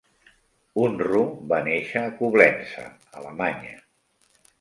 Unruh va néixer a Coblença, Alemanya.